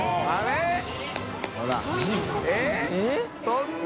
そんな。